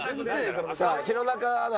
さあ弘中アナ。